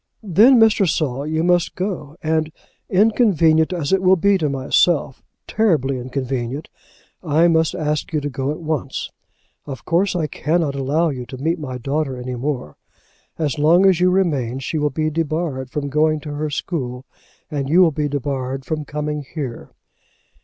"Then, Mr. Saul, you must go; and, inconvenient as it will be to myself, terribly inconvenient, I must ask you to go at once. Of course I cannot allow you to meet my daughter any more. As long as you remain she will be debarred from going to her school, and you will be debarred from coming here."